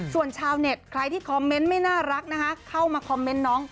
ส่วนชาวเน็ตใครที่คอมเมนต์ไม่น่ารักนะคะเข้ามาคอมเมนต์น้อง